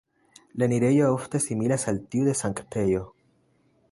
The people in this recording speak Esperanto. La enirejo ofte similas al tiu de sanktejo.